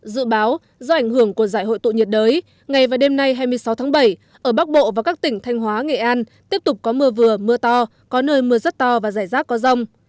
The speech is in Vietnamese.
dự báo do ảnh hưởng của giải hội tụ nhiệt đới ngày và đêm nay hai mươi sáu tháng bảy ở bắc bộ và các tỉnh thanh hóa nghệ an tiếp tục có mưa vừa mưa to có nơi mưa rất to và rải rác có rông